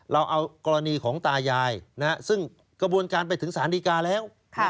เราเอากรณีของตายายซึ่งกระบวนการไปถึงสารดีกาแล้ว